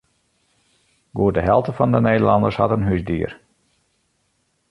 Goed de helte fan de Nederlanners hat in húsdier.